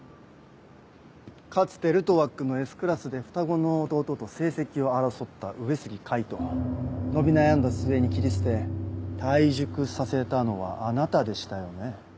かつてルトワックのＳクラスで双子の弟と成績を争った上杉海斗伸び悩んだ末に切り捨て退塾させたのはあなたでしたよね？